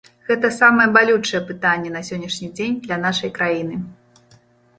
Гэта самае балючае пытанне на сённяшні дзень для нашай краіны.